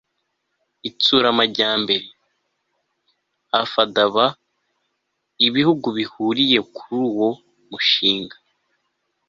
itsura amajyambere, afdb, ibihugu bihuriye kuri uwo mushinga